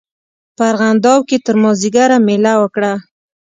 په ارغنداو کې تر مازیګره مېله وکړه.